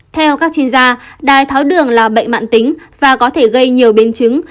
theo các chuyên gia đai tháo đường là bệnh mạng tính và có thể gây nhiều biến chứng